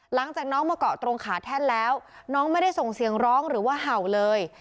หลังจากน้องมาเกาะตรงขาแท่นแล้วน้องไม่ได้ส่งเสียงร้องหรือว่าเห่าเลย